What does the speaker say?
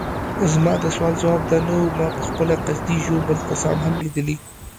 زما د سوال ځواب دا نه وو، ما پخپله قصدي ژوبل کسان هم لیدلي.